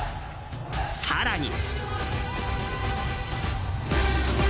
更に。